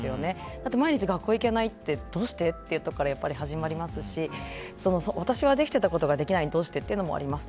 だって、毎日学校に行けないってどうして？ってところからやっぱり始まりますし私はできてたことができないどうしてっていうのもあります。